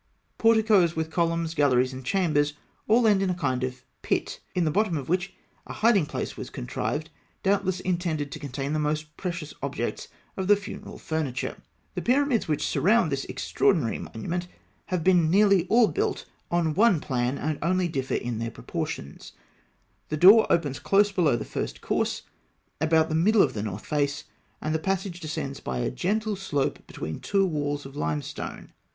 Porticoes with columns, galleries, and chambers, all end in a kind of pit, in the bottom of which a hiding place was contrived, doubtless intended to contain the most precious objects of the funeral furniture. The pyramids which surround this extraordinary monument have been nearly all built on one plan, and only differ in their proportions. The door (fig. 138, A) opens close below the first course, about the middle of the north face, and the passage (B) descends by a gentle slope between two walls of limestone.